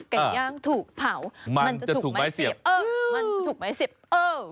ไก่ย่างถูกเผาไก่ย่างถูกเผามันจะถูกไม้เสียบมันจะถูกไม้เสียบ